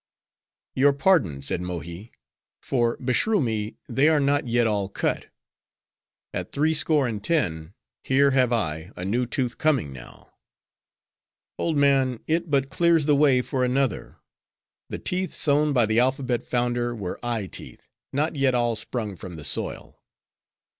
"Your pardon," said Mohi, "for beshrew me, they are not yet all cut. At threescore and ten, here have I a new tooth coming now." "Old man! it but clears the way for another. The teeth sown by the alphabet founder, were eye teeth, not yet all sprung from the soil.